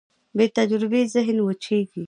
بېتجربې ذهن وچېږي.